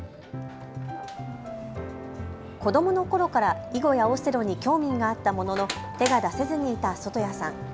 子どものころから囲碁やオセロに興味があったものの手が出せずにいた外谷さん。